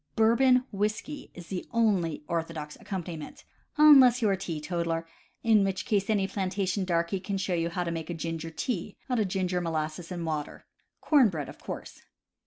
Bourbon whiskey is the only orthodox accompaniment, unless you are a teetotaler, in which case any planta tion darky can show you how to make "ginger tea" out of ginger, molasses and water. Corn bread, of course.